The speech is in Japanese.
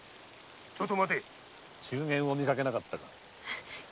ちょっと待て中間を見かけなかったか？